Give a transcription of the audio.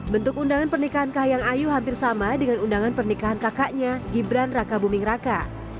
bentuk undangan pernikahan kahiyang ayu hampir sama dengan undangan pernikahan kakaknya gibran raka buming raka